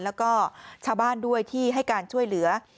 แล้วก็ชาวบ้านด้วยที่ให้การช่วยเหลือ